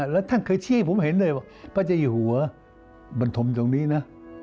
แล้วท่านเคยชี้ให้ผมเห็นเลยว่าพระเจ้าอยู่หัวบรรทมตรงนี้นะ